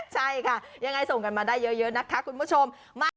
ใช่ค่ะยังไงส่งกันมาได้เยอะนะคะคุณผู้ชม